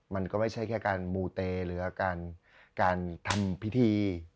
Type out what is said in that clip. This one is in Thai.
มันก็ไม่ใช่แค่การมูเตหรือการทำพิธี